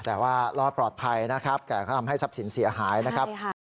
แต่ว่ารอดปลอดภัยนะครับแต่ก็ทำให้ทรัพย์สินเสียหายนะครับ